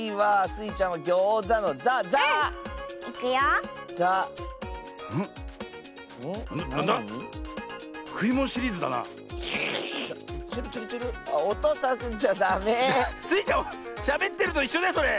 スイちゃんしゃべってるといっしょだよそれ。